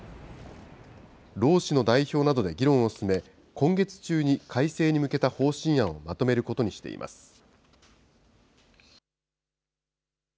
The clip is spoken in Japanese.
労使の代表などで議論を進め、今月中に改正に向けた方針案をまとめることにしています。